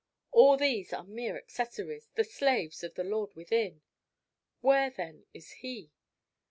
All these are mere accessories, the slaves of the lord within. Where, then, is he?